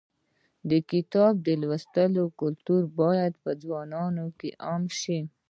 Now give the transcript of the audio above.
د کتاب لوستلو کلتور باید په ځوانانو کې عام شي.